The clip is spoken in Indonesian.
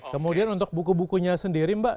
kemudian untuk buku bukunya sendiri mbak